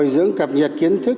và bồi dưỡng cập nhật kiến thức